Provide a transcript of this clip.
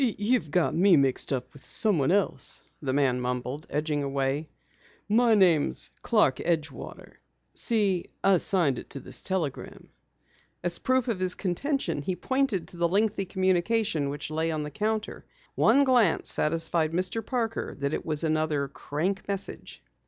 "You've got me mixed up with someone else," the man mumbled, edging away. "My name's Clark Edgewater. See, I signed it to this telegram." As proof of his contention, he pointed to the lengthy communication which lay on the counter. One glance satisfied Mr. Parker that it was another "crank" message.